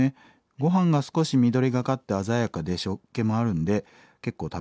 「ごはんが少し緑がかって鮮やかで塩っけもあるんで結構食べられます」。